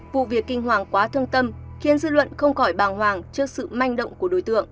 vụ việc kinh hoàng quá thương tâm khiến dư luận không khỏi bàng hoàng trước sự manh động của đối tượng